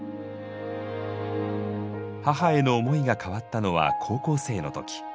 母への思いが変わったのは高校生の時。